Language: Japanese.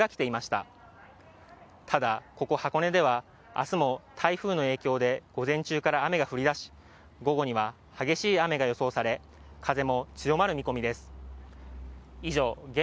ただ、ここ箱根では明日も台風の影響で午前中から雨が降り出し午後には激しい雨が予想され風も強まる見込みです。